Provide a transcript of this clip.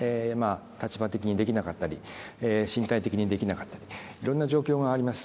立場的にできなかったり身体的にできなかったりいろんな状況があります。